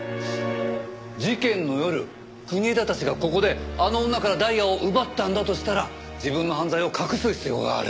事件の夜国枝たちがここであの女からダイヤを奪ったんだとしたら自分の犯罪を隠す必要がある。